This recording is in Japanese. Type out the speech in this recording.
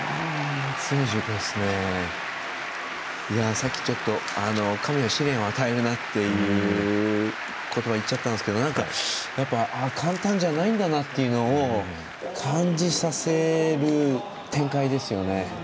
さっき、ちょっと神は試練を与えるなって言っちゃったんですけど簡単じゃないんだなということを感じさせる展開ですよね。